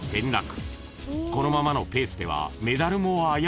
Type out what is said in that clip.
［このままのペースではメダルも危うい。